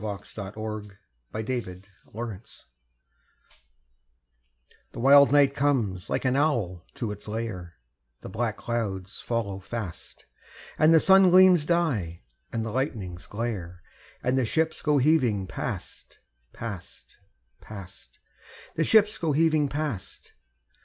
God Help Our Men at Sea The wild night comes like an owl to its lair, The black clouds follow fast, And the sun gleams die, and the lightnings glare, And the ships go heaving past, past, past The ships go heaving past!